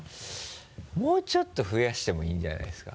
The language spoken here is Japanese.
もうちょっと増やしてもいいんじゃないですか？